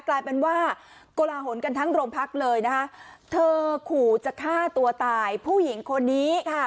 กลายเป็นว่าโกลาหลกันทั้งโรงพักเลยนะคะเธอขู่จะฆ่าตัวตายผู้หญิงคนนี้ค่ะ